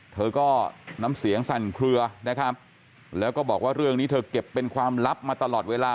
เธอก็น้ำเสียงสั่นเคลือนะครับแล้วก็บอกว่าเรื่องนี้เธอเก็บเป็นความลับมาตลอดเวลา